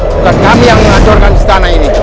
bukan kami yang menghancurkan istana ini